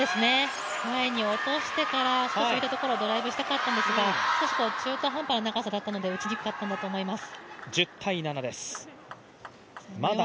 前に落としてから、少し空いたところをドライブしたかったんですが、少し中途半端な長さだったので打ちにくかったのだと思います。